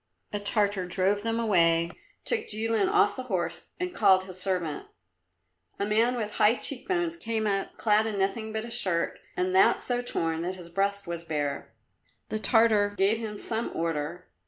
A Tartar drove them away, took Jilin off the horse and called his servant. A man with high cheek bones came up, clad in nothing but a shirt, and that so torn that his breast was bare. The Tartar gave him some order.